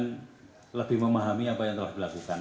jadi mudah mudahan lebih memahami apa yang telah dilakukan